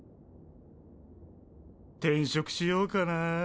転職しようかな。